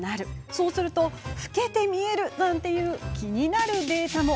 そうすると老けて見えるなんていう気になるデータも。